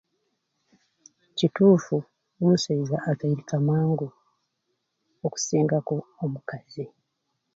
Kituufu omusaiza akairika mangu okusingaku omukazi